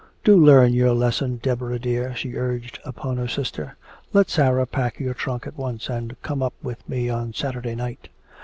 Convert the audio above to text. "Do learn your lesson, Deborah dear," she urged upon her sister. "Let Sarah pack your trunk at once and come up with me on Saturday night."